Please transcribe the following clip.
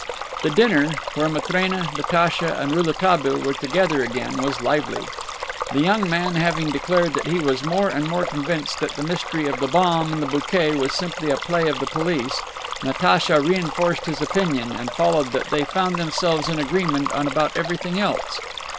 The dinner, where Matrena, Natacha and Rouletabille were together again, was lively. The young man having declared that he was more and more convinced that the mystery of the bomb in the bouquet was simply a play of the police, Natacha reinforced his opinion, and following that they found themselves in agreement on about everything else.